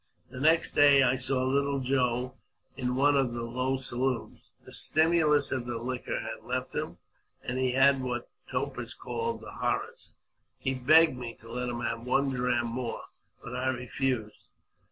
The next day I saw Little Joe in one of the low saloons ; the stimulus of the liquor had left him, and he had what topers call the horrors. He begged me to let him have one dram more, but I refused.